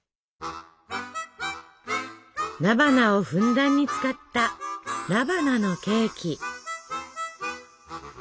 菜花をふんだんに使った菜花のケーキ。